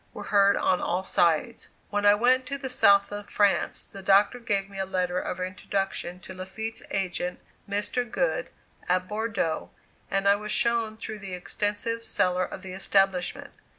were heard on all sides. When I went to the south of France, the Doctor gave me a letter of introduction to Lafitte's agent, Mr. Good, at Bordeaux, and I was shown through the extensive cellar of the establishment.